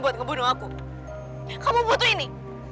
membuat kau seperti ini